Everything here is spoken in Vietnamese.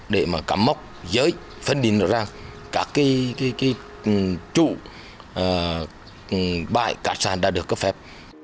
để cắm móc giới phân đình ra các trụ bài cát sạn đã được cấp phép